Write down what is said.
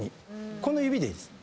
この指でいいです。